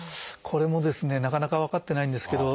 これもなかなか分かってないんですけど。